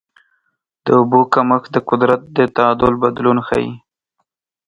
د اوبو کمښت د قدرت د تعادل بدلون ښيي.